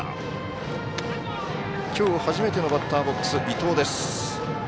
きょう初めてのバッターボックス、伊藤。